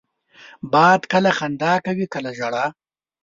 باد کله خندا کوي، کله ژاړي